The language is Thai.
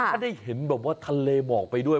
ถ้าได้เห็นแบบว่าทะเลหมอกไปด้วย